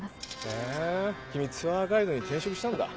へぇ君ツアーガイドに転職したんだ。